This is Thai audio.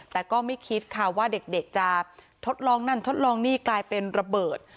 แต่ก็ไม่คิดค่ะว่าเด็กจะทดลองนั่นทดลองนี่กลายเป็นระเบิด